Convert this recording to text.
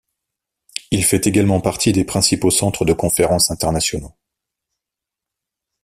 Il fait également partie des principaux centres de conférence internationaux.